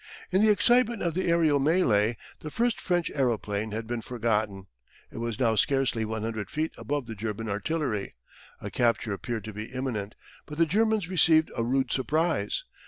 In the excitement of the aerial melee the first French aeroplane had been forgotten. It was now scarcely 100 feet above the German artillery. A capture appeared to be imminent, but the Germans received a rude surprise.